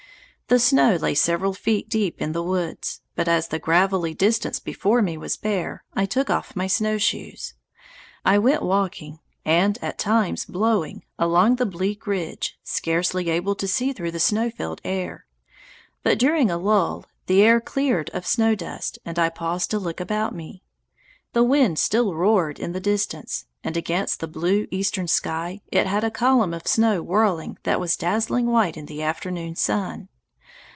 The snow lay several feet deep in the woods, but as the gravelly distance before me was bare, I took off my snowshoes. I went walking, and at times blowing, along the bleak ridge, scarcely able to see through the snow filled air. But during a lull the air cleared of snow dust and I paused to look about me. The wind still roared in the distance, and against the blue eastern sky it had a column of snow whirling that was dazzling white in the afternoon sun.